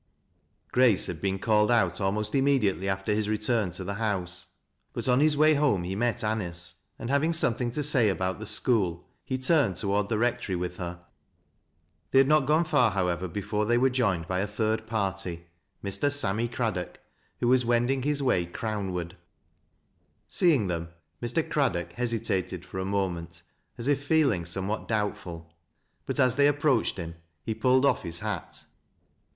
Grace had been called out almost immediately after his return to the house ; but on his way home he met Anice, and having something to say about the school, he turned toward the rectory with her. They had not gone far, however, before they were joined by a third party, — Mr. Sammy Craddock, who was wending his way Crown ward. Seeing them, Mr. Crad dock hesitated for a moment, as if feeling somewhat doubtful ; but as they approached him, he pulled off his hat.